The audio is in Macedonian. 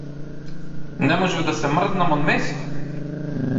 Не можев да се мрднам од место.